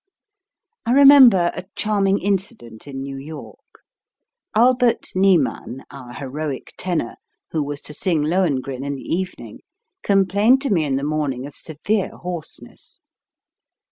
I remember a charming incident in New York. Albert Niemann, our heroic tenor, who was to sing Lohengrin in the evening, complained to me in the morning of severe hoarseness.